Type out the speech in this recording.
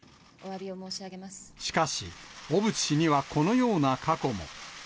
しかし、小渕氏にはこのような過去も。